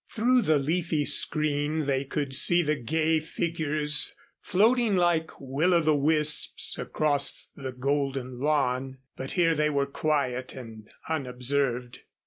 Through the leafy screen they could see the gay figures floating like will o' the wisps across the golden lawn, but here they were quiet and unobserved.